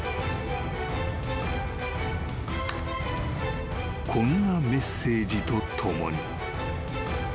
［こんなメッセージと共に］